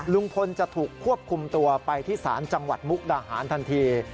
ลุงพลจะถูกควบคุมตัวไปที่ศาลจังหวัดมุกดาหารทันที